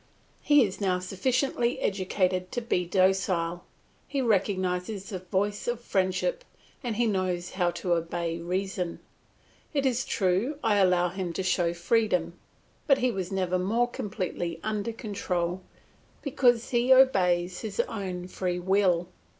He is now sufficiently educated to be docile; he recognises the voice of friendship and he knows how to obey reason. It is true I allow him a show of freedom, but he was never more completely under control, because he obeys of his own free will.